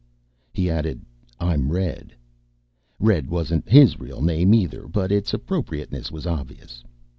He added, "I'm Red." Red wasn't his real name, either, but its appropriateness was obvious.